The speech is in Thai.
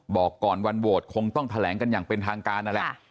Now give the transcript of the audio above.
บอกก่อนวันโหวตคงต้องแถลงกันอย่างเป็นทางการนั่นแหละ